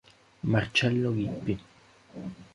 Marcello Lippi.